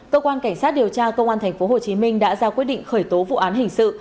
cơ quan cảnh sát điều tra công an tp hcm đã ra quyết định khởi tố vụ án hình sự